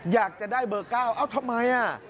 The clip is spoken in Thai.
อยากจะได้เบอร์๙เอ้าทำไมอ่ะ